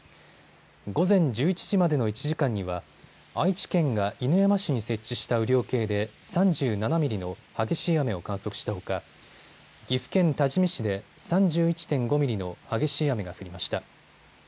午前１１時までの１時間には愛知県が犬山市に設置した雨量計で３７ミリの激しい雨を観測したほか岐阜県多治見市で３１．５ミリの激しい雨が降りました。